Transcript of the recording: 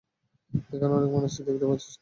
এখানে অনেক মানুষ, তুই দেখতে পাচ্ছিস না?